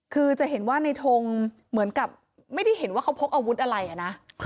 คือจะเห็นว่าในทงเหมือนกับไม่ได้เห็นว่าเขาพกอาวุธอะไรนะ